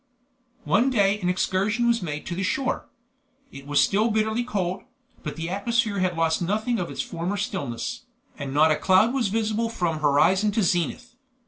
One day an excursion was made to the shore. It was still bitterly cold, but the atmosphere had lost nothing of its former stillness, and not a cloud was visible from horizon to zenith.